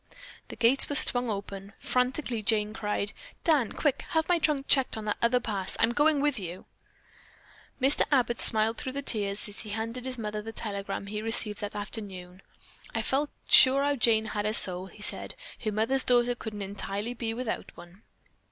The gates were swung open. Frantically, Jane cried: "Dan, quick, have my trunk checked on that other pass. I'm going with you." Mr. Abbott smiled through tears as he handed his mother the telegram he received that afternoon. "I felt sure our Jane had a soul," he said. "Her mother's daughter couldn't be entirely without one."